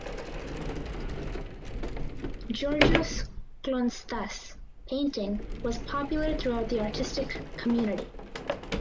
Georgios Klontzas’s painting was popular throughout the artistic community.